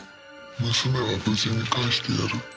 「娘は無事に返してやる」